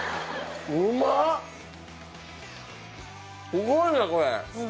すごいなこれ！